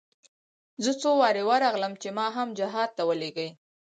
زه څو وارې ورغلم چې ما هم جهاد ته ولېږي.